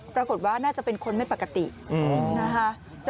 ปรากฏว่าน่าจะเป็นคนไม่ปกตินะคะ